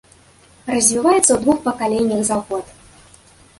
Развіваецца ў двух пакаленнях за год.